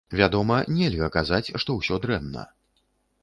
Вядома, нельга казаць, што ўсё дрэнна.